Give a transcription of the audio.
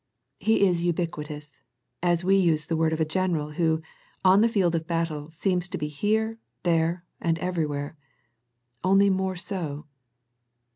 He is ubiquitous, as we use the word of a general who, on the field of battle seems to be here, there, and everywhere, only more so.